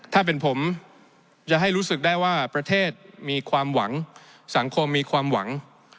ถ้าเป็นผมจะให้รู้สึกได้ว่าประเทศมีความหวังสังคมมีความหวัง